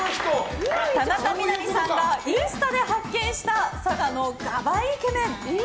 田中みな実さんがインスタで発見した佐賀のがばいイケメン。